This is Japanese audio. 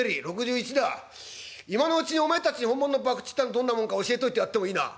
今のうちにお前たちに本物の博打ってのはどんなもんか教えといてやってもいいな」。